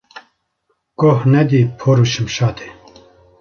Goh nedî por û şimşatê.